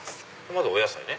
まずお野菜ね。